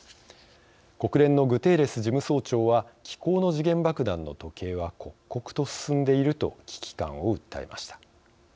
国連のグテーレス事務総長は気候の時限爆弾の時計は刻々と進んでいると危機感を訴えました。